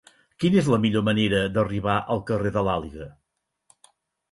Quina és la millor manera d'arribar al carrer de l'Àliga?